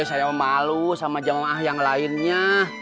saya mau malu sama jemaah yang lainnya